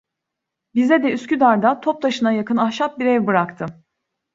Bize de Üsküdar'da, Toptaşı'na yakın ahşap bir ev bıraktı.